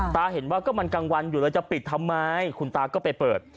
เห็นว่าก็มันกลางวันอยู่เลยจะปิดทำไมคุณตาก็ไปเปิด